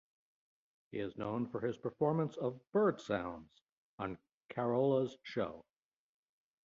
He is known for his performance of bird sounds on Carolla's show.